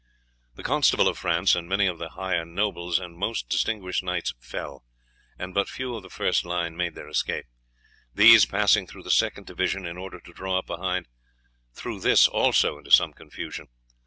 The Constable of France and many of the highest nobles and most distinguished knights fell, and but few of the first line made their escape: these, passing through the second division, in order to draw up behind, threw this also into some confusion.